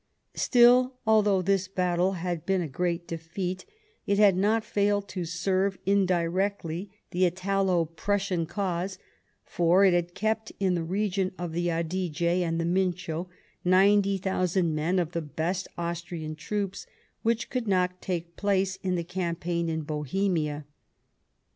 Still, although this battle had been a great defeat, it had not failed to serve indirectly the Italo Prussian cause ; for it had kept in the region of the Adige and the Mincio ninety thousand men of the best Austrian troops, which could not take part in the campaign in Bohemia.